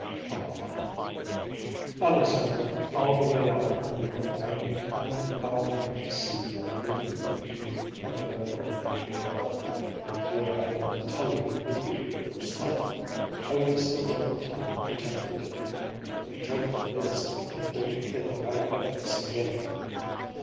Carl frowned. "Alexandra, all the way out from New York I've been planning how I could deceive you and make you think me a very enviable fellow, and here I am telling you the truth the first night. I waste a lot of time pretending to people, and the joke of it is, I don't think I ever deceive any one.